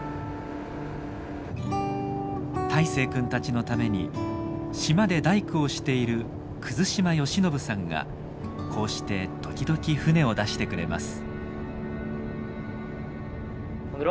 泰誠君たちのために島で大工をしている島義信さんがこうして時々船を出してくれます。